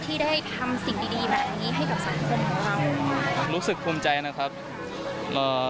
ที่ได้ทำสิ่งดีดีแบบนี้ให้กับสังคมของเรารู้สึกภูมิใจนะครับเอ่อ